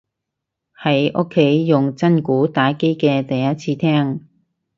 喺屋企用真鼓打機嘅第一次聽